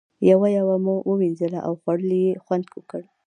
یوه یوه مو ووینځله او خوړلو یې خوند وکړ.